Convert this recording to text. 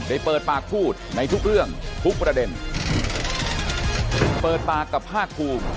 เปิดปากพูดในทุกเรื่องทุกประเด็นเปิดปากกับภาคภูมิ